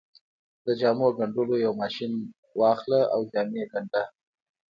د جامو ګنډلو يو ماشين واخله او جامې ګنډه.